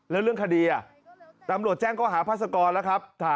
แล้วเรื่องคดีตำรวจแจ้งข้อหาพาสกรแล้วครับ